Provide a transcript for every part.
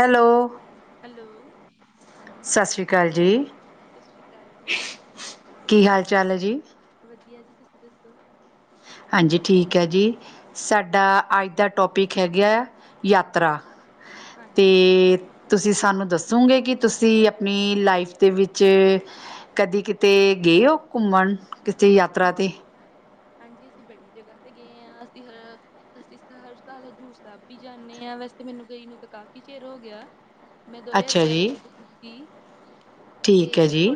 Hello. Hello. ਸਤਿ ਸ਼੍ਰੀ ਅਕਾਲ ਜੀ। ਸਤਿ ਸ਼੍ਰੀ ਅਕਾਲ ਜੀ। ਕੀ ਹਾਲ ਚਾਲ ਏ ਜੀ। ਵਧੀਆ ਜੀ ਤੁਸੀਂ ਦੱਸੋ? ਹਾਂਜੀ ਠੀਕ ਹੈ ਜੀ, ਸਾਡਾ ਅੱਜ ਦਾ ਟੋਪਿਕ ਹੈਗਾ ਯਾਤਰਾ। ਤੇ ਹਾਂਜੀ ਤੁਸੀਂ ਸਾਨੂੰ ਦੱਸੋਗੇ ਕਿ ਤੁਸੀਂ ਆਪਣੀ ਲਾਈਫ ਦੇ ਵਿੱਚ ਕਦੀ ਕਿਤੇ ਗਏ ਹੋ ਘੁੰਮਣ ਕਿਸੇ ਯਾਤਰਾ ਤੇ ਹਾਂਜੀ ਹਾਂਜੀ ਅਸੀਂ ਬੜੀ ਜਗ੍ਹਾ ਤੇ ਗਏ ਹਾਂ ਅਸੀਂ ਹ ਅਸੀ ਤਾਂ ਹਰ ਸਾਲ ਹਜ਼ੂਰ ਸਾਹਿਬ ਵੀ ਜਾਂਦੇ ਹਾਂ, ਵੈਸੇ ਮੈਨੂੰ ਗਈ ਨੂੰ ਤਾਂ ਕਾਫ਼ੀ ਚਿਰ ਹੋ ਗਿਆ। ਮੈਂ ਦੋ ਹਜ਼ਾਰ ਅੱਛਾ ਗਿਆਰਾਂ ਜੀ [unintelligible] ਠੀਕ ਹੈ ਤੇ ਜੀ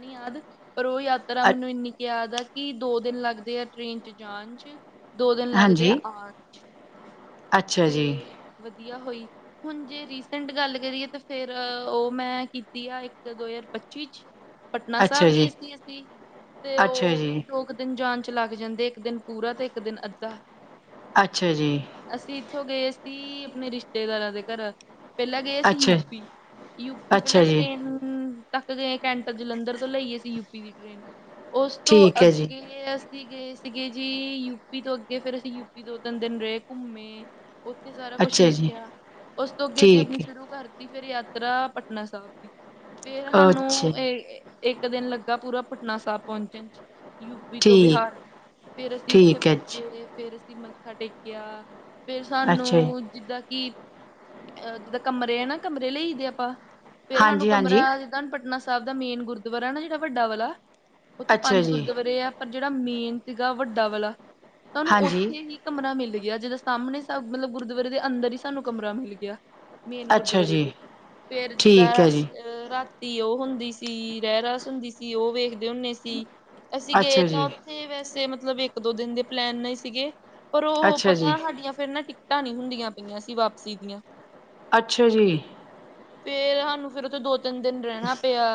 ਨੀ ਯਾਦ ਪਰ ਉਹ ਯਾਤਰਾ ਅ ਮੈਨੂੰ ਇੰਨੀ ਕੁ ਯਾਦ ਆ ਕਿ ਦੋ ਦਿਨ ਲੱਗਦੇ ਆ ਟ੍ਰੇਨ ਚ ਜਾਣ ਚ ਦੋ ਦਿਨ ਲੱਗਦੇ ਆ ਹਾਂਜੀ ਆਨ ਅੱਛਾ ਜੀ ਤੇ ਵਧੀਆ ਹੋਈ ਹੁਣ ਜੇ ਰੀਸੈਂਟ ਗੱਲ ਕਰੀਏ ਤਾਂ ਫੇਰ, ਉਹ ਮੈਂ ਕੀਤੀ ਆ ਇੱਕ ਦੋ ਹਜ਼ਾਰ ਪੱਚੀ ਚ [inaudible] ਪਟਨਾ ਅੱਛਾ ਸਾਹਿਬ ਗਏ ਜੀ ਸੀ ਅਸੀ ਤੇ ਅੱਛਾ ਉਹ ਵੀ ਜੀ ਦੋ ਕ ਆਨ-ਜਾਨ ਚ ਲੱਗ ਜਾਂਦੇ, ਇੱਕ ਦਿਨ ਪੂਰਾ ਤੇ ਇੱਕ ਦਿਨ ਅੱਧਾ ਅੱਛਾ ਜੀ। ਅਸੀਂ ਇੱਥੋਂ ਗਏ ਸੀ ਆਪਣੇ ਰਿਸ਼ਤੇਦਾਰਾਂ ਦੇ ਘਰ ਪਹਿਲਾਂ ਗਏ ਸੀ ਅੱਛਾ ਯੂਪੀ- ਯੂਪੀ ਅੱਛਾ ਪਹਿਲਾਂ ਜੀ ਟਰੇਨ ਤੱਕ ਗਏ ਕੈਂਟ ਜਲੰਧਰ ਤੋਂ ਲਈ ਅਸੀ ਯੂਪੀ ਦੀ ਟ੍ਰੇਨ ਉਸ ਤੋਂ ਠੀਕ ਹੈ ਜੀ ਅੱਗੇ ਅਸੀ ਗਏ ਸੀਗੇ ਜੀ, ਯੂਪੀ ਤੋਂ ਅੱਗੇ ਫਿਰ ਅਸੀਂ ਯੂਪੀ ਦੋ-ਤਿੰਨ ਦਿਨ ਰਹੇ ਘੁੰਮੇ ਉੱਥੇ ਸਾਰਾ ਕੁਛ ਅੱਛਾ ਜੀ ਵੇਖਿਆ ਉਸ ਤੋਂ ਅੱਗੇ ਅਸੀਂ ਆਪਣੀ ਠੀਕ ਹੈ, ਸ਼ੁਰੂ ਕਰ ਤੀ ਫਿਰ ਯਾਤਰਾ ਪਟਨਾ ਸਾਹਿਬ ਦੀ ਬਾਣੀ ਫੇਰ ਅੱਛਾ ਜੀ, ਸਾਨੂੰ ਇਹ ਇੱਕ ਦਿਨ ਲੱਗਾ ਪੂਰਾ ਪਟਨਾ ਸਾਹਿਬ ਪਹੁੰਚਣ ਚ ਯੂਪੀ ਤੋਂ ਠੀਕ ਬਿਹਾਰ ਫੇਰ ਅਸੀਂ ਉੱਥੇ ਠੀਕ ਹੈ ਜੀ ਪੁੱਜੇ, ਫੇਰ ਅਸੀਂ ਮੱਥਾ ਟੇਕਿਆ ਫਿਰ ਅੱਛਾ ਜੀ ਸਾਨੂੰ ਜਿੱਦਾਂ ਕਿ, ਅਹ ਜਿੱਦਾਂ ਕਮਰੇ ਆ ਨਾ ਕਮਰੇ ਲਈ ਦੇ ਆਪਾਂ ਫੇਰ ਸਾਨੂੰ ਹਾਂਜੀ ਹਾਂਜੀ ਕਮਰਾ ਜਿੱਦਾਂ ਪਟਨਾ ਸਾਹਿਬ ਦਾ ਮੇਨ ਗੁਰਦੁਆਰਾ ਨਾ ਜਿਹੜਾ ਵੱਡਾ ਵਾਲਾ ਓਥੇ ਅੱਛਾ ਪੰਜ ਜੀ ਗੁਰਦੁਆਰੇ ਆ ਪਰ ਜੇੜਾ ਮੇਨ ਸੀਗਾ ਵੱਡਾ ਵਾਲਾ, ਤਾਨੂੰ ਹਾਂਜੀ ਓਥੇ ਹੀ ਕਮਰਾ ਮਿਲ ਗੇਆ ਜਿਦਾ ਸਾਮਣੇ ਸਬ ਮਤਲਬ ਗੁਰਦੁਆਰੇ ਦੇ ਅੰਦਰ ਈ ਸਾਨੂੰ ਕਮਰਾ ਮਿਲ ਗੇਆ। ਮੇਨ ਅੱਛਾ ਗੁਰਦੁਆਰੇ ਜੀ ਦੇ, ਫੇਰ ਜਿੱਦਾਂ ਠੀਕ ਹੈ ਜੀ ਰਸ਼ ਰਾਤ ਰਾਤੀ ਓ ਹੁੰਦੀ ਸੀ ਰਹਿਰਾਸ ਹੁੰਦੀ ਸੀ ਓ ਵੇਖਦੇ ਹੁੰਨੇ ਸੀ, ਅਸੀਂ ਗਏ ਅੱਛਾ ਜੀ ਤਾਂ ਅਸੀ ਵੈਸੇ ਮਤਲਬ ਇੱਕ-ਦੋ ਦਿਨ ਦੇ ਪਲੈਨ ਨਾਲ ਈ ਸੀਗੇ ਪਰ ਓਹੋ ਅੱਛਾ ਜੀ ਪਤਾ ਸਾਡੀ ਫੇਰ ਨਾ ਟਿਕਟਾਂ ਨੀ ਹੁੰਦੀਆਂ ਪਈਆਂ ਸੀ ਵਾਪਸੀ ਦੀਆਂ। ਅੱਛਾ ਜੀ। ਫੇਰ ਸਾਨੂੰ ਫੇਰ ਓਥੇ ਦੋ-ਤਿੰਨ ਦਿਨ ਰੈਨਾ ਪਿਆ,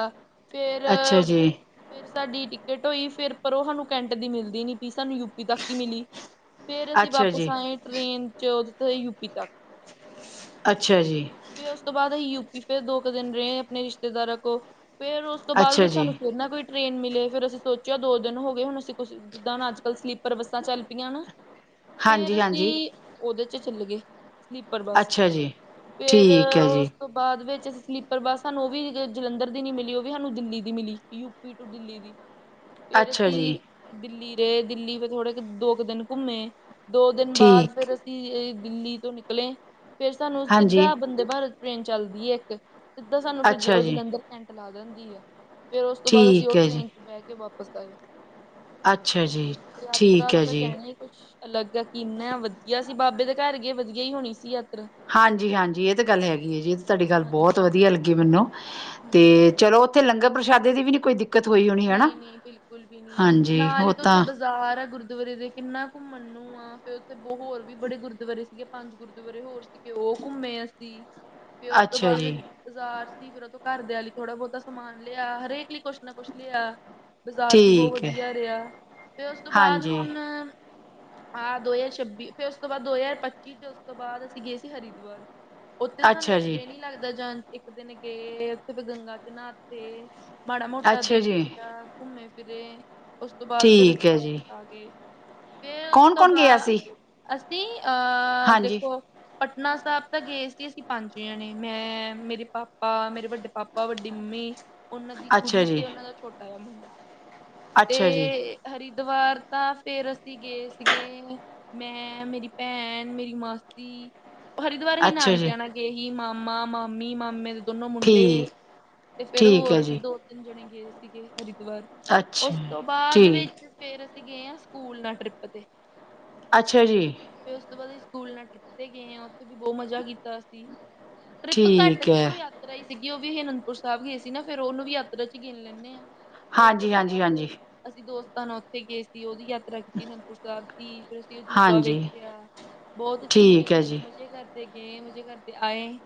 ਫੇਰ ਅੱਛਾ ਜੀ ਫੇਰ ਸਾਡੀ ਟਿਕਟ ਹੋਈ ਫੇਰ ਪਰ ਓ ਸਾਨੂੰ ਕੈਂਟ ਦੀ ਮਿਲਦੀ ਨੀ ਪਈ ਸਾਨੂੰ ਯੂਪੀ ਤੱਕ ਈ ਮਿਲੀ। ਫੇਰ ਅਸੀਂ ਅੱਛਾ ਵਾਪਸ ਜੀ ਆਏਂ ਟਰੇਨ ਚ ਓਦੇ ਤੇ ਯੂਪੀ ਤੱਕ ਅੱਛੇਆ ਜੀ। ਫੇਰ ਓਸ ਤੋਂ ਬਾਦ ਅਸੀਂ ਯੂਪੀ ਫਿਰ ਦੋ ਕੁ ਦਿਨ ਰਏ ਆਪਨੇ ਰਿਸ਼ਤੇਦਾਰਾਂ ਕੋਲ। ਫੇਰ ਓਸ ਤੋਂ ਬਾਦ ਅੱਛਾ ਵਿੱਚ ਜੀ ਸਾਨੂੰ ਫਿਰ ਨਾ ਕੋਈ ਟ੍ਰੇਨ ਮਿਲੇ ਫੇਰ ਅਸੀਂ ਸੋਚੇਆ ਦੋ ਦਿਨ ਹੋਗੇ ਹੁਨ ਅਸੀਂ ਕੁ ਜਿੱਦਾਂ ਹੁਨ ਅੱਜ -ਕੱਲ ਸਲੀਪਰ ਬੱਸਾਂ ਚੱਲ ਪਈਆਂ ਨਾ, ਹਾਂਜੀ ਫੇਰ ਹਾਂਜੀ ਓਦੇ ਚ ਚੱਲਗੇ ਸਲੀਪਰ ਬੱਸ ਚ, ਅੱਛਾ ਜੀ ਫੇਰ ਠੀਕ ਹੈ ਓਸ ਜੀ ਓਸ ਤੋਂ ਬਾਦ ਵਿੱਚ ਅਸੀ ਸਲੀਪਰ ਬੱਸ ਸਾਨੂੰ ਓ ਵੀ ਜਲੰਧਰ ਦੀ ਨੀ ਮਿਲੀ ਓ ਵੀ ਸਾਨੂੰ ਦਿੱਲੀ ਦੀ ਮਿਲੀ, ਯੂਪੀ ਟੂ ਦਿੱਲੀ ਦੀ ਫੇਰ ਅੱਛਾ ਜੀ ਅਸੀਂ ਦਿੱਲੀ ਰਏ, ਦਿੱਲੀ ਫੇਰ ਥੋੜੇ ਕ ਦੋ ਕੁ ਦਿਨ ਘੁੰਮੇ, ਦੋ ਦਿਨ ਬਾਦ ਠੀਕ ਫੇਰ ਅਸੀਂ ਦਿੱਲੀ ਤੋਂ ਨਿਕਲੇ, ਫੇਰ ਸਾਨੂੰ ਹਾਂਜੀ ਸਿੱਧਾ ਵੰਦੇ ਭਾਰਤ ਟ੍ਰੇਨ ਚੱਲਦੀ ਐ ਇੱਕ, ਸਿੱਦਾ ਸਾਨੂੰ ਫੇਰ ਅੱਛਾ ਓ ਜੀ ਜਲੰਧਰ ਕੈਂਟ ਲਾਅ ਦੀ ਆ। ਫੇਰ ਓਸ ਤੋਂ ਬਾਦ ਅਸੀਂ ਓ ਠੀਕ ਹੈ ਜੀ ਟ੍ਰੇਨ ਚ ਬੈ ਕੇ ਵਾਪਸ ਆਏ। ਅੱਛਾ ਜੀ ਯਾਤਰਾ ਠੀਕ ਦਾ ਹੈ ਤਾਂ ਜੀ ਕੈਨੀ ਕੁਛ ਅਲੱਗ ਐ ਕਿੰਨਾ ਵਦੀਆ ਸੀ ਬਾਬੇ ਦੇ ਘਰ ਗਏ ਵਦੀਆ ਈ ਹੋਨੀ ਸੀ ਯਾਤਰਾ। ਹਾਂਜੀ-ਹਾਂਜੀ ਏ ਤਾਂ ਗੱਲ ਹੈਗੀ ਐ ਜੀ ਏ ਤਾਂ ਤਾਡੀ ਗੱਲ ਬੋਤ ਹਾਂਜੀ ਵਦੀਆ ਲੱਗੀ ਮੈਨੂੰ, ਹਾਂਜੀ ਤੇ ਚਲੋ ਓਥੇ ਲੰਗਰ ਪ੍ਰਸ਼ਾਦੇ ਦੀ ਵੀ ਨੀ ਕੋਈ ਦਿੱਕਤ ਹੋਈ ਹੋਨੀ ਹੈਨਾ, ਨਹੀਂ-ਨਹੀਂ ਹਾਂਜੀ ਓ ਤਾਂ ਸਾਰਾ ਗੁਰਦੁਆਰੇ ਦੇ ਕਿੰਨਾ ਘੁੰਮਣ ਨੂੰ ਆ ਫੇਰ ਓਥੇ ਬਹੁ ਹੋਰ ਵੀ ਬੜੇ ਗੁਰਦੁਆਰੇ ਸੀਗੇ ਪੰਜ ਗੁਰਦੁਆਰੇ ਹੋਰ ਸੀਗੇ ਓ ਘੁੰਮੇ ਅਸੀਂ। ਫੇਰ ਓਸ ਤੋਂ ਅੱਛਾ ਬਾਦ ਜੀ ਬਾਜ਼ਾਰ ਸੀ ਫੇਰ ਓਥੋਂ ਘਰਦਿਆਂ ਲਈ ਥੋੜਾ ਬੋਤਾ ਸਮਾਨ ਲਿਆ ਹਰੇਕ ਲਈ ਕੁਛ ਨਾ ਕੁਛ ਲਿਆ ਬਾਜ਼ਾਰ ਵੀ ਬਹੁ ਠੀਕ ਹੈ ਵਦੀਆ ਰਿਆ, ਫੇਰ ਓਸ ਤੋਂ ਬਾਦ ਹਾਂਜੀ ਹੁਨ ਆਹ ਦੋ ਹਜ਼ਾਰ ਛੱਬੀ, ਫੇਰ ਓਸ ਤੋਂ ਬਾਦ ਦੋ ਹਜ਼ਾਰ ਪੱਚੀ ਤੇ ਉਸ ਤੋਂ ਬਾਦ ਅਸੀਂ ਗਏ ਸੀ ਹਰਿਦੁਆਰ। ਓਥੇ ਸਾਨੂੰ ਅੱਛਾ ਇੱਕ ਜੀ ਦਿਨ ਈ ਲੱਗਦਾ ਜਾਨ ਤੇ, ਇੱਕ ਦਿਨ ਗਏ ਓਥੇ ਗੰਗਾ ਚ ਨਾਤੇ ਮਾੜਾ ਮੋਟਾ ਅੱਛਾ ਜੀ ਦੇਖੇਆ ਘੁੰਮੇ ਫਿਰੇ ਉਸ ਤੋਂ ਬਾਦ ਫੇਰ ਠੀਕ ਅਸੀਂ ਹੈ ਜੀ ਵਾਪਸ ਆ ਗੇ। ਫੇਰ ਓਸ ਤੋਂ ਕੌਣ-ਕੌਣ ਗਿਆ ਬਾਦ ਸੀ ਅਸੀਂ ਅਹ ਹਾਂਜੀ ਦੇਖੋ ਪਟਨਾ ਸਾਬ ਤਾਂ ਗਏ ਸੀ ਅਸੀਂ ਪੰਜ ਜਨੇ ਮੈਂ ਮੇਰੇ ਪਾਪਾ ਮੇਰੇ ਵੱਡੇ ਪਾ ਪਾਪਾ ਵੱਡੀ ਮੰਮੀ ਓਨਾਂ ਦੀ ਅੱਛਾ ਕੁੜੀ ਜੀ ਤੇ ਓਨਾਂ ਦਾ ਛੋਟਾ ਜਾ ਮੁੰਡਾ ਅੱਛਾ ਜੀ ਤੇ ਹਰਿਦਵਾਰ ਤਾਂ ਫੇਰ ਅਸੀਂ ਗਏ ਸੀਗੇ ਮੈਂ ਮੇਰੀ ਭੈਨ ਮੇਰੀ ਮਾਸੀ ਹਰਿਦਵਾਰ ਅਸੀਂ ਅੱਛਾ ਜੀ ਨਾਨਕਿਆਂ ਨਾਲ ਗਏ ਸੀ ਮਾਮਾ-ਮਾਮੀ ਮਾਮੇ ਦੇ ਦੋਨੋ ਮੁੰਡੇ, ਠੀਕ ਤੇ ਫੇਰ ਠੀਕ ਹੋਰ ਹੈ ਵੀ ਜੀ ਦੋ-ਤਿੰਨ ਜਨੇ ਗਏ ਸੀਗੇ ਹਰਿਦਵਾਰ। ਅੱਛਾ ਉਸ ਤੋਂ ਬਾਦ ਠੀਕ ਵਿੱਚ ਫੇਰ ਅਸੀਂ ਗਏ ਆਂ ਸਕੂਲ ਨਾਲ ਟ੍ਰਿਪ ਤੇ। ਅੱਛਾ ਜੀ। ਫੇਰ ਉਸ ਤੋਂ ਬਾਦ ਅਸੀਂ ਸਕੂਲ ਨਾਲ ਟ੍ਰਿਪ ਤੇ ਗਏ ਆਂ ਓਥੇ ਵੀ ਬਹੁ ਮਜ਼ਾ ਕੀਤਾ ਅਸੀਂ। ਟ੍ਰਿਪ ਘੱਟ ਠੀਕ ਸੀ ਹੈ ਓ ਯਾਤ ਯਾਤਰਾ ਈ ਸੀਗੀ ਓ ਵੀ ਆਨੰਦਪੁਰ ਸਾਬ ਗਏ ਸੀ ਨਾ ਫ਼ਿਰ ਓਨੂੰ ਵੀ ਯਾਤਰਾ ਚੀ ਗਿਨ ਲੈਂਦੇ ਆਂ, ਫੇਰ ਉਸ ਤੋਂ ਬਾਦ ਹਾਂਜੀ-ਹਾਂਜੀ-ਹਾਂਜੀ ਹਾਂਜੀ ਅਸੀਂ ਦੋਸਤਾਂ ਨਾਲ ਓਥੇ ਗਏ ਸੀ ਓਦੀ ਯਾਤਰਾ ਕੀਤੀ ਅਨੰਦਪੁਰ ਸਾਬ ਦੀ ਫੇਰ ਤੇ ਅਜੂਬਾ ਹਾਂਜੀ ਹਾਂਜੀ ਵੇਖਿਆ, ਬਹੁਤ ਅੱਸੀਂ ਮਜ਼ੇ ਠੀਕ ਹੈ ਕੀਤੇ ਜੀ ਮਜ਼ੇ ਕਰ ਤੇ ਗਏ ਮਜੇ ਕਰਦੇ ਆਏ,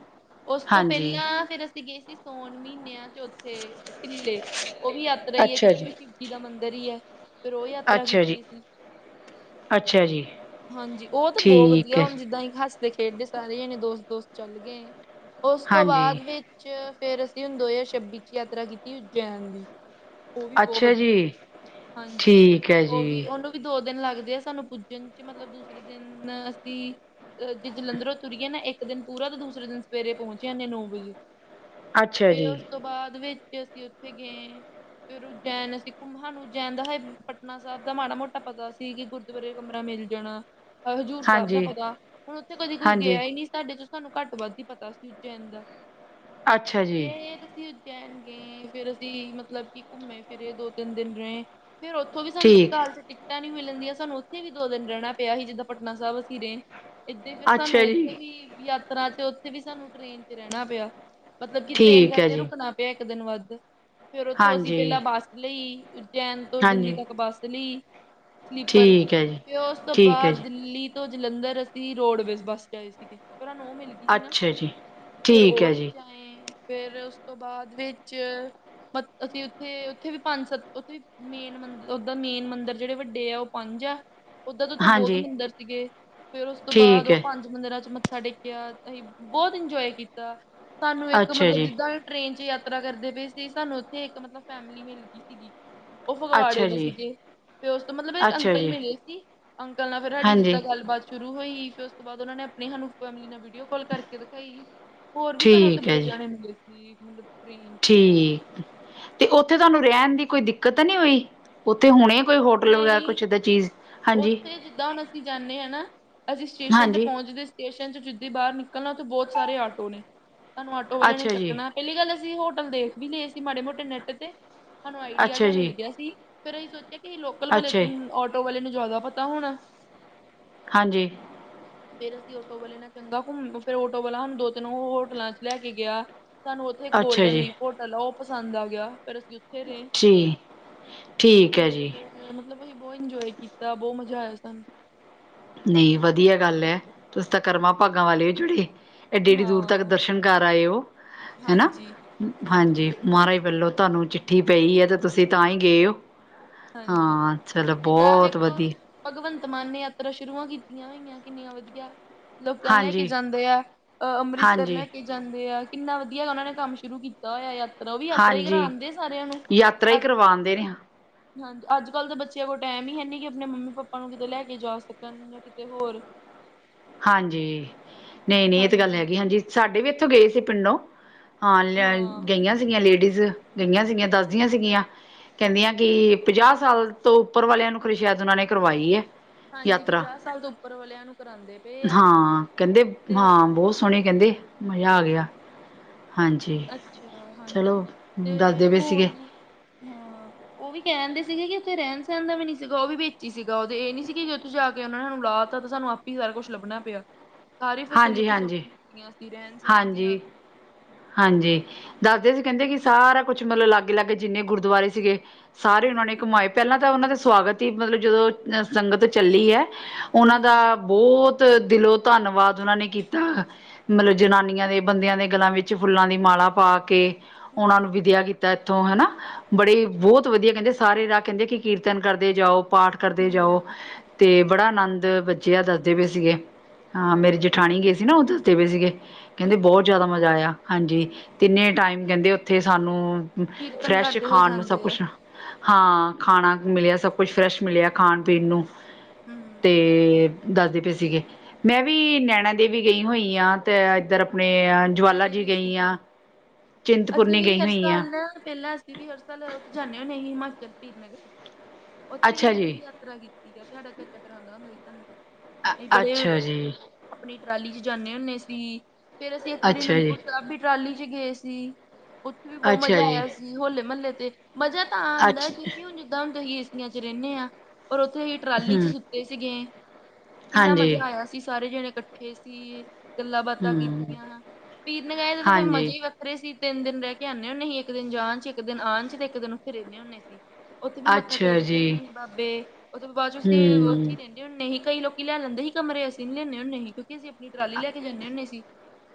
ਉਸ ਤੋਂ ਹਾਂਜੀ। ਪਹਿਲਾਂ ਫਿਰ ਅਸੀਂ ਗਏ ਸੀ ਸੋਣ ਮਹੀਨੇ ਚੌਥੇ ਢਿੱਲੇ ਉਹ ਵੀ ਯਾਤਰਾ ਹੀ ਹੈ ਕਿਉਂਕਿ ਸ਼ਿਵ ਜੀ ਦਾ ਮੰਦਿਰ ਹੀ ਹੈ ਫਿਰ ਉਹ ਯਾਤਰਾ ਅੱਛਾ ਜੀ, ਕੀਤੀ ਅਸੀਂ ਅੱਛਾ ਜੀ ਹਾਂਜੀ ਉਹ ਤਾਂ ਬਹੁਤ ਠੀਕ ਵਧੀਆ ਹੈ, ਹੁਣ ਜਿੱਦਾਂ ਅਸੀਂ ਹੱਸਦੇ ਖੇਡਦੇ ਸਾਰੇ ਜਣੇ ਦੋਸਤ ਦੋਸਤ ਚੱਲ ਗਏ ਉਸ ਤੋਂ ਹਾਂਜੀ, ਬਾਅਦ ਵਿੱਚ ਫੇਰ ਅਸੀਂ ਹੁਣ ਦੋ ਹਜ਼ਾਰ ਛੱਬੀ 'ਚ ਯਾਤਰਾ ਕੀਤੀ ਉਜੈਨ ਦੀ ਉਹ ਵੀ ਬਹੁਤ ਅੱਛਾ ਜੀ। ਵਧੀਆ, ਹਾਂਜੀ, ਠੀਕ ਹੈ ਉਹ ਵੀ ਜੀ, ਉਹਨੂੰ ਵੀ ਦੋ ਦਿਨ ਲੱਗਦੇ ਆ ਸਾਨੂੰ ਪੁੱਜਣ 'ਚ ਮਤਲਬ ਦੂਸਰੇ ਦਿਨ ਅਸੀਂ ਜੇ ਜਲੰਧਰੋਂ ਤੁਰੀਏ ਇੱਕ ਦਿਨ ਪੂਰਾ ਤੇ ਦੂਸਰੇ ਦਿਨ ਸਵੇਰੇ ਪਹੁੰਚ ਜਾਂਦੇ ਨੌ ਵਜੇ ਅੱਛਾ ਫੇਰ ਜੀ, ਉਸ ਤੋਂ ਬਾਅਦ ਵਿੱਚ ਅਸੀਂ ਉੱਥੇ ਗਏ ਫੇਰ ਉਜੈਨ ਅਸੀ ਘੁੰਮਣ, ਸਾਨੂੰ ਜੈਨ ਦਾ ਹਜੇ ਪਟਨਾ ਸਾਹਿਬ ਦਾ ਮਾੜਾ ਮੋਟਾ ਪਤਾ ਸੀ ਕਿ ਗੁਰਦੁਆਰੇ ਕਮਰਾ ਮਿਲ ਜਾਣਾ, ਹਜ਼ੂਰ ਸਾਹਿਬ ਦਾ ਹਾਂਜੀ, ਪਤਾ ਹੁਣ, ਉੱਥੇ ਕਦੀ ਕੋਈ ਹਾਂਜੀ, ਗਿਆ ਹੀ ਨਹੀ ਸਾਡੇ 'ਚ ਤੁਹਾਨੂੰ ਘੱਟ ਵੱਧ ਹੀ ਪਤਾ ਸੀ ਉਜੈਨ ਦਾ, ਅੱਛਾ ਜੀ, ਫਿਰ ਇਹ ਤਾਂਸੀ ਚੈਨ ਗਏ ਫਿਰ ਅਸੀਂ ਮਤਲਬ ਕਿ ਘੁੰਮੇ ਫਿਰੇ ਦੋ ਤਿੰਨ ਦਿਨ ਰਹੇ ਫਿਰ ਉੱਥੋਂ ਵੀ ਠੀਕ, ਸੰਤਕਾਲ 'ਚ ਟਿਕਟਾਂ ਨੀ ਮਿਲਣਦੀਆਂ ਸਾਨੂੰ ਉੱਥੇ ਵੀ ਦੋ ਦਿਨ ਰਹਿਣਾ ਪਿਆ ਸੀ ਜਦੋਂ ਪਟਨਾ ਸਾਹਿਬ ਅਸੀਂ ਰਹੇ ਏਦੀ ਫਿਰ ਸਾਨੂੰ ਅੱਛਾ ਜੀ, ਉੱਥੇ ਵੀ ਯਾਤਰਾ 'ਚ ਉੱਥੇ ਵੀ ਸਾਨੂੰ ਟ੍ਰੇਨ 'ਚ ਰਹਿਣਾ ਪਿਆ ਮਤਲਬ ਕਿ ਟ੍ਰੇਨ ਠੀਕ ਹੈ ਕਰਕੇ ਜੀ, ਰੁਕਣਾ ਪਿਆ ਇੱਕ ਦਿਨ ਵੱਧ, ਫਿਰ ਉੱਥੋਂ ਅਸੀਂ ਹਾਂਜੀ, ਪਹਿਲਾਂ ਬੱਸ ਲਈ ਚੈਨ ਤੋਂ ਦਿੱਲੀ ਹਾਂਜੀ। ਤੱਕ ਬੱਸ ਲਈ ਠੀਕ ਐ ਜੀ ਫਿਰ ਉਸ ਤੋਂ ਠੀਕ ਹੈ ਬਾਅਦ ਜੀ, ਦਿੱਲੀ ਤੋਂ ਜਲੰਧਰ ਅਸੀਂ ਰੋਡਵੇਜ਼ ਬੱਸ 'ਚ ਆਏ ਸੀਗੇ, ਫਿਰ ਸਾਨੂੰ ਉਹ ਮਿਲ ਗਈ ਕੀਤੀ ਸੀ ਨਾ, ਅੱਛਾ ਜੀ, ਫੇਰ ਠੀਕ ਉਹ ਹੈ ਜੀ, 'ਚ ਆਏ, ਫਿਰ ਉਸ ਤੋਂ ਬਾਅਦ ਵਿੱਚ ਮ ਅਸੀਂ ਉੱਥੇ ਉੱਥੇ ਵੀ ਪੰਜ ਸੱਤ ਉੱਥੇ ਵੀ ਮੇਨ ਮੰਦ ਉਹਦਾ ਮੇਨ ਮੰਦਰ ਜਿਹੜੇ ਵੱਡੇ ਆ ਉਹ ਪੰਜ ਹੈ ਉਧਰ ਦੇ ਉੱਥੇ ਬਹੁਤ ਹਾਂਜੀ, ਮੰਦਿਰ ਸੀਗੇ, ਫਿਰ ਉਸ ਤੋਂ ਬਾਅਦ ਠੀਕ ਉਹ ਹੈ, ਪੰਜ ਮੰਦਿਰਾਂ 'ਚ ਮੱਥਾ ਟੇਕਿਆ, ਅਸੀਂ ਬਹੁਤ ਇੰਜੋਏ ਕੀਤਾ, ਸਾਨੂੰ ਇੱਕ ਅੱਛਾ ਮਤਲਬ ਜੀ, ਜਿੱਦਾਂ ਟ੍ਰੇਨ 'ਚ ਯਾਤਰਾ ਕਰਦੇ ਪਏ ਸੀ, ਸਾਨੂੰ ਉੱਥੇ ਇੱਕ ਮਤਲਬ ਫੈਮਿਲੀ ਮਿਲ ਗਈ ਸੀਗੀ ਉਹ ਫਗਵਾੜੇ ਅੱਛਾ ਦੇ ਜੀ, ਸੀਗੇ, ਫੇਰ ਉਸ ਤੋਂ ਮਤਲਬ ਇੱਕ ਅੱਛਾ ਅੰਕਲ ਜੀ, ਮਿਲੇ ਸੀ ਅੰਕਲ ਨਾਲ ਫੇਰ ਸਾਡੀ ਹਾਂਜੀ, ਜਿੱਦਾਂ ਗੱਲਬਾਤ ਸ਼ੁਰੂ ਹੋਈ, ਫੇਰ ਉਸ ਤੋਂ ਬਾਅਦ ਉਹ ਨੇ ਆਪਣੀ ਸਾਨੂੰ ਫੈਮਿਲੀ ਨਾਲ ਵੀਡੀਓ ਕਾਲ ਕਰਕੇ ਦਿਖਾਈ ਹੋਰ ਵੀ ਸਾਨੂੰ ਉੱਥੇ ਠੀਕ ਬੜੇ ਹੈ ਜੀ, ਜਾਣੇ ਮਿਲੇ ਸੀ, ਮਤਲਬ ਟ੍ਰੇਨ ਚ ਠੀਕ, ਤੇ ਉੱਥੇ ਤੁਹਾਨੂੰ ਰਹਿਣ ਦੀ ਕੋਈ ਦਿੱਕਤ ਤਾਂ ਨਹੀਂ ਹੋਈ ਉੱਥੇ ਹੋਣੇ ਕੋਈ ਹੋਟਲ ਵਗੈਰਾ ਨਹੀਂ ਕੁੱਛ ਐਦਾਂ ਚੀਜ਼ ਹਾਂਜੀ ਉੱਥੇ ਜਿੱਦਾਂ ਹੁਣ ਅਸੀਂ ਜਾਂਦੇ ਹਾਂ ਨਾ ਅਸੀਂ ਸਟੇਸ਼ਨ ਤੇ ਹਾਂਜੀ ਪਹੁੰਚਦੇ ਸਟੇਸ਼ਨ 'ਚ ਜਿੱਦੀ ਬਾਹਰ ਨਿਕਲਣਾ, ਉੱਥੇ ਬਹੁਤ ਸਾਰੇ ਆਟੋ ਨੇ, ਤੁਹਾਨੂੰ ਆਟੋ ਵਾਲੇ ਨੇ ਅੱਛਾ ਜੀ ਚੱਕਣਾ ਪਹਿਲੀ ਗੱਲ ਅਸੀਂ ਹੋਟਲ ਦੇਖ ਵੀ ਲਏ ਸੀ ਮਾੜੇ ਮੋਟੇ ਨੈੱਟ ਤੇ, ਸਾਨੂੰ ਆਈਡੀਆ ਅੱਛਾ ਜਿਹਾ ਮਿਲ ਜੀ ਗਿਆ ਸੀ ਫੇਰ ਅਸੀਂ ਸੋਚਿਆ ਕਿ ਅਸੀਂ ਲੋਕਲ ਅੱਛਾ ਵਾਲੇ ਜੀ ਆਟੋ ਵਾਲੇ ਨੂੰ ਜ਼ਿਆਦਾ ਪਤਾ ਹੋਣਾ ਹਾਂਜੀ ਫਿਰ ਅਸੀਂ ਆਟੋ ਵਾਲੇ ਨਾਲ ਚੰਗਾ ਘੁੰਮ, ਫਿਰ ਆਟੋ ਵਾਲਾ ਸਾਨੂੰ ਦੋ ਤਿੰਨ ਹੋਟਲਾਂ 'ਚ ਲੈ ਕੇ ਗਿਆ ਸਾਨੂੰ ਉੱਥੇ ਅੱਛਾ ਗੋਲਡਨ ਜੀ ਲੀਫ ਹੋਟਲ ਉਹ ਪਸੰਦ ਆ ਗਿਆ, ਫਿਰ ਅਸੀਂ ਉੱਥੇ ਰਹੇ ਜੀ, ਠੀਕ ਹੈ ਜੀ ਅ ਮਤਲਬ ਅਸੀਂ ਬਹੁਤ ਇੰਜੋਏ ਕੀਤਾ, ਬਹੁਤ ਮਜ਼ਾ ਆਇਆ ਸਾਨੂੰ ਨਹੀਂ ਵਧੀਆ ਗੱਲ ਹੈ ਤੁਸੀਂ ਤਾਂ ਕਰਮਾਂ ਭਾਗਾਂ ਵਾਲੇ ਜੁੜੇ ਐਡੀ- ਐਡੀ ਦੂਰ ਤੱਕ ਹਾਂ ਦਰਸ਼ਨ ਕਰ ਆਏ ਹੋ ਹੈਨਾ, ਹਾਂਜੀ, ਹਾਂਜੀ ਮਹਾਰਾਜ ਵਲੋਂ ਤੁਹਾਨੂੰ ਚਿੱਠ ਚਿੱਠੀ ਪਈ ਹੈ ਤਾਂ ਤੁਸੀਂ ਤਾਂ ਹੀ ਗਏ ਹੋ, ਹਾਂਜੀ। ਹਾਂ ਚਲੋ ਹੁਣ ਜਿੱਦਾਂ ਬਹੁਤ ਵੇਖੋ ਵਧੀ ਭਗਵੰਤ ਮਾਨ ਨੇ ਯਾਤਰਾ ਸ਼ੁਰੂਆਂ ਕੀਤੀਆਂ ਹੋਈਆਂ ਕਿੰਨੀਆਂ ਵਧੀਆ। ਲੋਕਾਂ ਨੂੰ ਲੈ ਕੇ ਹਾਂਜੀ ਜਾਂਦੇ ਆ-ਅ ਅੰਮ੍ਰਿਤਸਰ ਹਾਂਜੀ ਲੈ ਕੇ ਜਾਂਦੇ ਆ ਕਿੰਨਾ ਵਧੀਆ ਉਹਨਾਂ ਨੇ ਕੰਮ ਸ਼ੁਰੂ ਕੀਤਾ। ਕੀਤਾ ਹੋਇਆ ਯਾਤਰਾ ਉਹ ਵੀ ਯਾਤਰਾ ਈ ਕਰਾਉਂਦੇ ਐ ਸਾਰਿਆਂ ਨੂੰ ਪਾਦੇ ਨੇ ਹਾਂਜੀ ਅੱਜ ਕੱਲ੍ਹ ਦੇ ਬੱਚਿਆਂ ਕੋਲ ਟਾਈਮ ਈ ਹੈ ਨੀ ਕਿ ਆਪਣੇ ਮੰਮੀ ਪਾਪਾ ਨੂੰ ਕਿਤੇ ਲੈ ਕੇ ਜਾ ਸਕਣ ਜਾਂ ਕਿਤੇ ਹੋਰ ਹਾਂਜੀ, ਨਈ-ਨਈ ਇਹ ਤੇ ਗੱਲ ਹੈਗੀ ਐ ਹਾਂਜੀ ਸਾਡੇ ਵੀ ਇੱਥੋਂ ਗਏ ਸੀ ਪਿੰਡੋਂ ਹਾਂ ਲੇ ਗਈਆਂ ਸੀਗੀਆਂ ਲੇਡੀਜ਼ ਗਈਆਂ ਦੱਸਦੀਆਂ ਸੀਗੀਆਂ। ਕਹਿੰਦੀਆਂ ਕਿ ਪੰਜਾਹ ਸਾਲ ਤੋਂ ਉੱਪਰ ਵਾਲਿਆਂ ਨੂੰ ਖਰੇਸ਼ਾਇਦ ਉਹਨਾਂ ਨੇ ਕਰਵਾਈ ਐ। ਹਾਂਜੀ ਪੰਜਾਹ ਸਾਲ ਤੋਂ ਉੱਪਰ ਵਾਲਿਆਂ ਨੂੰ ਕਰਾਦੇ ਨੇ। ਹਾਂ ਕਹਿੰਦੇ ਹਾਂ ਬਹੁਤ ਸੋਹਣੇ ਕਹਿੰਦੇ ਮਜ਼ਾ ਆ ਗਿਆ। ਹਾਂਜੀ, ਅੱਛਾ ਹਾਂਜੀ ਚਲੋ ਦੱਸਦੇ ਤੇ ਪਏ ਹੋਰ ਸੀਗੇ। ਹਾਂ ਉਹ ਵੀ ਕਹਿ ਦਿੰਦੇ ਸੀਗੇ ਕਿ ਉੱਥੇ ਰਹਿਣ-ਸਹਿਣ ਦਾ ਵੀ ਨੀ ਸੀਗਾ ਉਹ ਵੀ ਵਿੱਚ ਈ ਸੀਗਾ ਉਹਦੇ ਇਹ ਨੀ ਸੀ ਉੱਥੇ ਜਾ ਕੇ ਉਹਨੇ ਸਾਨੂੰ ਲਾ ਤਾ ਤੇ ਸਾਨੂੰ ਆਪੀ ਸਾਰਾ ਕੁਛ ਲੱਭਣਾ ਪਿਆ, ਸਾਰੀ ਫੈਸਿਲਿਟੀ ਉਹਨਾਂ ਨੇ ਦਿੱਤੀਆਂ ਸੀ ਰਹਿਣ ਸਹਿਣ ਦੀਆਂ ਵੀ ਹਾਂਜੀ-ਹਾਂਜੀ, ਦੱਸਦੇ ਸੀ ਕਹਿੰਦੇ ਕਿ ਸਾਰਾ ਕੁਛ ਮਤਲਬ ਲਾਗੇ-ਲਾਗੇ ਜਿੰਨੇ ਗੁਰਦੁਆਰੇ ਸੀਗੇ। ਸਾਰੇ ਉਹਨਾਂ ਨੇ ਹਮ ਘੁੰਮਾਏ ਪਹਿਲਾਂ ਤਾਂ ਉਹਨਾਂ ਦੇ ਸਵਾਗਤ ਈ ਮਤਲਬ ਜਦੋਂ ਸੰਗਤ ਚੱਲੀ ਐ। ਉਹਨਾਂ ਦਾ ਹਮ ਬੋਤ ਦਿਲੋਂ ਧੰਨਵਾਦ ਉਹਨਾਂ ਨੇ ਕੀਤਾ ਮਤਲਬ ਜਨਾਨੀਆਂ ਦੇ ਬੰਦਿਆਂ ਦੇ ਗਲਾਂ ਵਿੱਚ ਫੁੱਲਾਂ ਦੀ ਮਾਲਾ ਪਾ ਕੇ ਉਹਨਾਂ ਨੂੰ ਹਮ ਵਿਦਿਆ ਇੱਥੋਂ ਹਨਾ, ਬੜੇ ਅੱਛਾ ਬੋਤ ਵਧੀਆ ਕਹਿੰਦੇ ਸਾਰੇ ਰਾਹ ਕਹਿੰਦੇ ਕਿ ਕੀਰਤਨ ਕਰਦੇ ਜਾਓ ਪਾਠ ਕਰਦੇ ਜਾਓ। ਹੂੰ ਤੇ ਬੜਾ ਆਨੰਦ ਬੱਚੇ ਆ ਦੱਸਦੇ ਪਏ ਸੀਗੇ, ਹਾਂ ਮੇਰੇ ਜਠਾਣੀ ਗਏ ਸੀ ਨਾ ਉਹ ਦੱਸਦੇ ਪਏ ਸੀਗੇ। ਕਹਿੰਦੇ ਅੱਛਾ ਬੋਤ ਜ਼ਿਆਦਾ ਮਜ਼ਾ ਆਇਆ ਹਾਂਜੀ, ਤਿੰਨੇ ਟਾਈਮ ਕਹਿੰਦੇ ਉੱਥੇ ਸਾਨੂੰ ਕੀਰਤਨ ਫਰੈਸ਼ ਕਰਦੇ ਹੋਏ ਖਾਣ ਨੂੰ ਸਭ ਜਾਂਦੇ ਆ ਕੁਛ ਹਾਂ ਖਾਣਾ ਮਿਲਿਆ ਸਭ ਕੁਛ ਫਰੈਸ਼ ਮਿਲਿਆ ਖਾਣ-ਪੀਣ ਨੂੰ ਹਮ ਤੇ ਦੱਸਦੇ ਪਏ ਸੀਗੇ, ਮੈਂ ਵੀ ਨੈਣਾ ਦੇਵੀ ਗਈ ਹੋਈ ਆ। ਤੇ ਇੱਧਰ ਆਪਣੇ ਜਵਾਲਾ ਜੀ ਗਈ ਆ। ਅਸੀਂ ਵੀ ਹਰ ਸਾਲ ਪਹਿਲਾਂ ਅਸੀਂ ਵੀ ਹਰ ਸਾਲ ਉੱਥੇ ਜਾਨੇ ਹੁੰਨੇ ਆ, ਹਿਮਾਚਲ ਪੀਰ ਨਗਰ ਉੱਥੇ ਵੀ ਅੱਛਾ ਅਸੀਂ ਬੜੀ ਜੀ ਯਾਤਰਾ ਕੀਤੀ। ਤੁਹਾਡਾ ਚਾਚਾ ਕਰਾਦਾ ਹੁੰਦਾ ਸੀ ਤਾਨੂੰ ਤੇ ਅ ਅਸੀਂ ਬੜੇ ਅੱਛਾ ਜੀ ਆਪਣੀ ਟਰਾਲੀ ਚ ਜਾਨੇ ਹੁੰਨੇ ਸੀ ਫੇਰ ਅਸੀਂ ਇੱਕ ਵਾਰੀ ਅੱਛਾ ਅਨੰਦਪੁਰ ਜੀ ਸਾਹਿਬ ਦੀ ਟਰਾਲੀ ਚ ਗਏ ਸੀ। ਉੱਥੇ ਵੀ ਬਹੁਤ ਅੱਛਾ ਮਜ਼ਾ ਜੀ ਆਇਆ ਸੀ ਹੋਲੇ ਮਹੱਲੇ ਤੇ ਮਜ਼ਾ ਤਾਂ ਆਂਦਾ ਅੱਛ ਐ ਕਿਉਂਕਿ ਹੁਣ ਜਿੱਦਾਂ ਹੁਣ ਤੁਸੀਂ ਚ ਰਹਿੰਨੇ ਆ, ਪਰ ਉੱਥੇ ਹੀ ਟਰਾਲੀ ਚ ਹੂੰ ਸੁੱਤੇ ਸੀਗੇ ਕਿੰਨਾ ਹਾਂਜੀ ਮਜ਼ਾ ਆਇਆ ਅਸੀ ਸਾਰੇ ਜਣੇ ਇਕੱਠੇ ਸੀ, ਗੱਲਾਂ ਬਾਤਾਂ ਹੂੰ ਕੀਤੀਆਂ ਪੀਰਨ ਗਏ ਤੇ ਤਾਂ ਫੇਰ ਹਾਂਜੀ ਮਜੇ ਈ ਖਰੇ ਅ ਤਿੰਨ ਦਿਨ ਰਹਿ ਕੇ ਆਨੇ ਹੁੰਦੇ ਸੀ ਇੱਕ ਦਿਨ ਜਾਣ ਚ ਇੱਕ ਦਿਨ ਆਣ ਚ ਤੇ ਇੱਕ ਦਿਨ ਉਥੇ ਰਹਨੇ ਹੁੰਦੇ ਸੀ। ਉੱਥੇ ਵੀ ਮੱਥਾ ਅੱਛਾ ਟੇਕਦੇ ਜੀ ਹੁੰਦੇ ਸੀ ਬਾਬੇ, ਉਥੋਂ ਬਾਅਦ ਚ ਅਸੀਂ ਉੱਥੇ ਹੂੰ ਈ ਰਹਿੰਦੇ ਹੁੰਨੇ ਸੀ ਕਈ ਲੋਕ ਲੈ ਲੈਂਦੇ ਈ ਕਮਰੇ ਅਸੀਂ ਨੀ ਲੈਂਨੇ ਹੁੰਨੇ ਸੀ ਕਿਉਂਕ ਅਸੀਂ ਆਪਣੀ ਟਰਾਲੀ ਲੈ ਕੇ ਜਾਨੇ ਹੁੰਨੇ ਸੀ।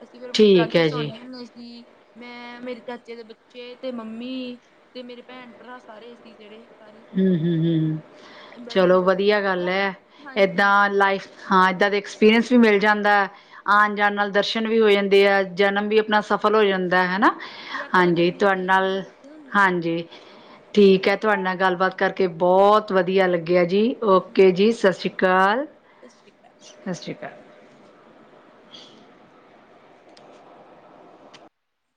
ਅਸੀਂ ਫੇਰ ਆਪਣੀ ਠੀਕ ਟਰਾਲੀ ਹੈ ਜੀ ਸੌਨੇ ਹੁੰਦੇ ਸੀ। ਮੈਂ ਮੇਰੇ ਚਾਚੇ ਦੇ ਬੱਚੇ ਤੇ ਮੰਮੀ, ਤੇ ਮੇਰੇ ਭੈਣ-ਭਰਾ ਸਾਰੇ। ਸੀ ਜਿਹੜੇ ਸਾਰੇ ਹੂੰ-ਹੂੰ-ਹੂੰ, ਬੜਾ ਚਲੋ ਇੰਜੋਏ ਵਧੀਆ ਗੱਲ ਐ ਹਾਂਜੀ ਏਦਾਂ ਲਾਈਫ ਹਾਂ ਐਦਾ ਦਾ ਐਕਸਪੀਰੀਅੰਸ ਵੀ ਮਿਲ ਜਾਂਦਾ। ਆਣ ਜਾਣ ਨਾਲ ਦਰਸ਼ਨ ਵੀ ਹੋ ਜਾਂਦੇ ਐ, ਤਾਂ ਜਨਮ ਵੀ ਸਫਲ ਹੋ ਜਾਂਦਾ ਐ ਹਨਾ। ਯਾਤਰਾ ਹਾਂਜੀ ਕਰਨੀਆਂ ਤੁਹਾਡੇ ਚਾਹੀਦੀਆਂ ਨਾਲ, ਵਧੀਆ ਹੁੰਦੀਆਂ, ਹਾਂਜੀ ਠੀਕ ਐ ਤੁਹਾਡੇ ਨਾਲ ਗੱਲਬਾਤ ਕਰਕੇ ਬਹੁਤ ਵਧੀਆ ਲੱਗਿਆ ਜੀ ਹਾਂਜੀ ਓਕੇ ਜੀ ਸਤਿ ਸ਼੍ਰੀ ਅਕਾਲ। ਸਤਿ ਸ਼੍ਰੀ ਅਕਾਲ, ਸਤਿ ਸ਼੍ਰੀ ਅਕਾਲ